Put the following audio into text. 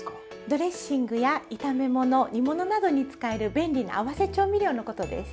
ドレッシングや炒め物煮物などに使える便利な合わせ調味料のことです。